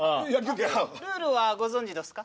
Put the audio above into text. ルールはご存じどすか？